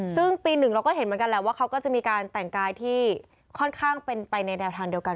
ซึ่งปีหนึ่งเราก็เห็นเหมือนกันแหละว่าเขาก็จะมีการแต่งกายที่ค่อนข้างเป็นไปในแนวทางเดียวกัน